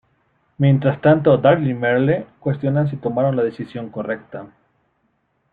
Mientras tanto, Daryl y Merle cuestionan si tomaron la decisión correcta.